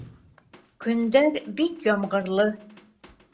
Көндәр бик ямғырлы.